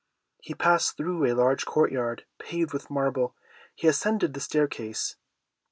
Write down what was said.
He passed through a large court yard paved with marble; he ascended the staircase.